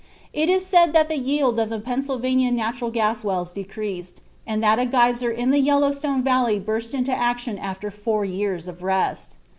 It is said that the yield of the Pennsylvania natural gas wells decreased, and that a geyser in the Yellowstone valley burst into action after four years of rest.